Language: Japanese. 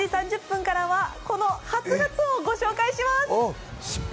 このあと、７時３０分からはこの初がつおをご紹介します。